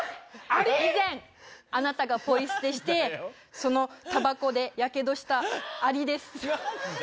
以前、あなたがポイ捨てして、そのたばこでやけどしたアリです。